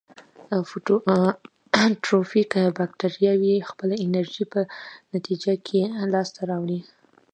فوتوټروفیک باکتریاوې خپله انرژي په نتیجه کې لاس ته راوړي.